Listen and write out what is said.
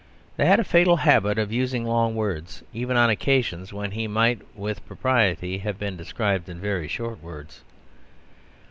They had a fatal habit of using long words, even on occasions when he might with propriety have been described in very short words.